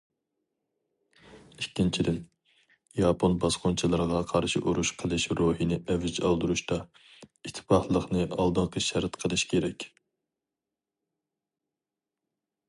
ئىككىنچىدىن، ياپون باسقۇنچىلىرىغا قارشى ئۇرۇش قىلىش روھىنى ئەۋج ئالدۇرۇشتا، ئىتتىپاقلىقنى ئالدىنقى شەرت قىلىش كېرەك.